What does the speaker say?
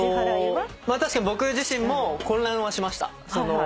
確かに僕自身も混乱はしました。